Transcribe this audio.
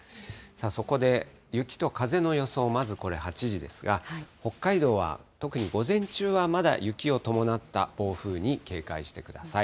そこで雪と風の予想、まずこれ８時ですが、北海道は特に午前中はまだ雪を伴った暴風に警戒をしてください。